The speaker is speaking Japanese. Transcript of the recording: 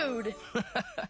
ハハハッ！